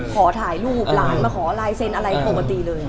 ขอถ่ายรูปหลานมาขอลายเซ็นต์อะไรปกติเลย